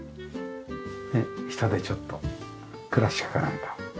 下でちょっとクラシックかなんかを。